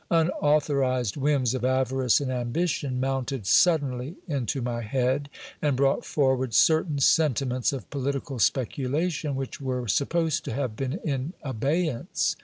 Un authorized whims of avarice and ambition mounted suddenly into my head, and brought forward certain sentiments of political speculation which were supposed to have been in abeyance.